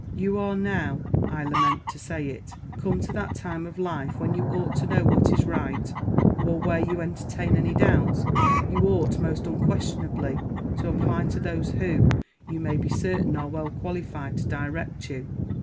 You are now (I lament to say it!) come to that time of life when you ought to know what is right; or, where you entertain any doubts, you ought most unquestionably to apply to those who, you may be certain, are well qualified to direct you.